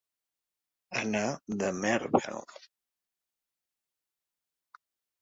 Anar de mèrvel.